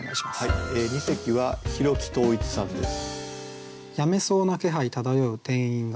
二席は広木登一さんです。